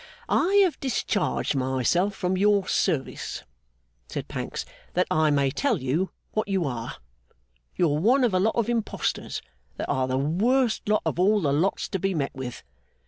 'I have discharged myself from your service,' said Pancks, 'that I may tell you what you are. You're one of a lot of impostors that are the worst lot of all the lots to be met with.